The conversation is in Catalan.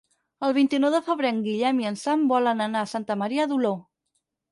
El vint-i-nou de febrer en Guillem i en Sam volen anar a Santa Maria d'Oló.